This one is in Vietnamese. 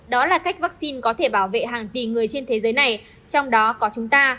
đó là cách vaccine có thể bảo vệ hàng tỷ người trên thế giới này trong đó có chúng ta